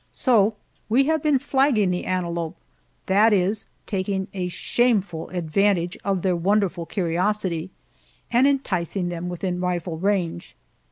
So we have been flagging the antelope, that is, taking a shameful advantage of their wonderful curiosity, and enticing them within rifle range.